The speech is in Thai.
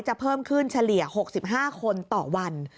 เพิ่มขึ้นเฉลี่ย๖๕คนต่อวัน